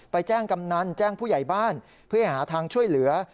ไปแจ้งกำนันแจ้งผู้ใหญ่บ้านเพื่อให้หาทางช่วยเหลือ